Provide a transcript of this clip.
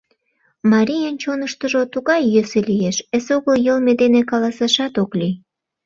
Марийын чоныштыжо тугай йӧсӧ лиеш, эсогыл йылме дене каласашат ок лий.